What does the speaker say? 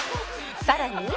さらに